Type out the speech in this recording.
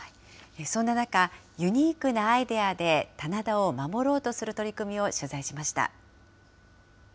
そんな中、ユニークなアイデアで棚田を守ろうとする取り組みを取材しました。